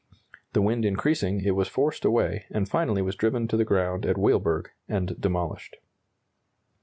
The wind increasing, it was forced away, and finally was driven to the ground at Weilburg and demolished.